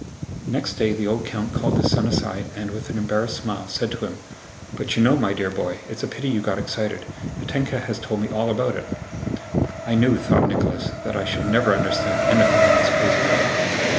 Next day the old count called his son aside and, with an embarrassed smile, said to him: "But you know, my dear boy, it's a pity you got excited! Mítenka has told me all about it." "I knew," thought Nicholas, "that I should never understand anything in this crazy world."